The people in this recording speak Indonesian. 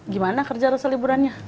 gimana kerja rasa liburannya